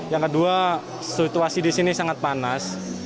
yang kedua situasi di sini sangat panas